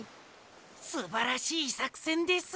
すばらしいさくせんです。